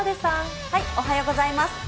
おはようございます。